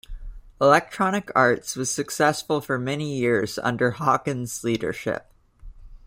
Electronic Arts was successful for many years under Hawkins' leadership.